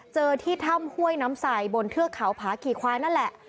ที่ถ้ำห้วยน้ำใสบนเทือกเขาผาขี่ควายนั่นแหละ